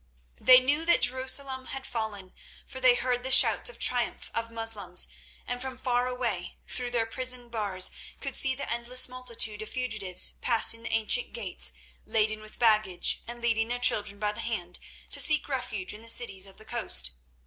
They knew that Jerusalem had fallen, for they heard the shouts of triumph of the Moslems, and from far away, through their prison bars could see the endless multitude of fugitives passing the ancient gates laden with baggage, and leading their children by the hand, to seek refuge in the cities of the coast.